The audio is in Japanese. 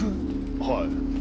はい。